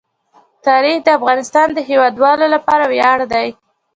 تاریخ د افغانستان د هیوادوالو لپاره ویاړ دی.